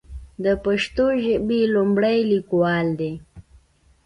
د پښتو ژبې وړومبے ليکوال دی